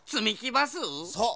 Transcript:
そう。